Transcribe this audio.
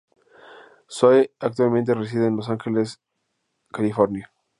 Zoey actualmente reside en Los Ángeles, California.